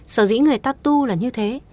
sở dĩ người ta tu là như thế